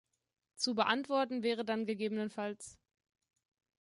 Zu beantworten wäre dann ggf.